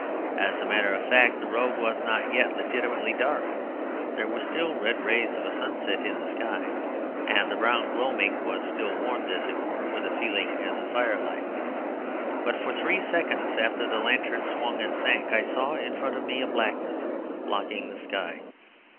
As a matter of fact, the road was not yet legitimately dark. There were still red rays of a sunset in the sky, and the brown gloaming was still warmed, as it were, with a feeling as of firelight. But for three seconds after the lanterns swung and sank, I saw in front of me a blackness blocking the sky.